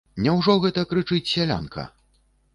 Няўжо гэта крычыць сялянка?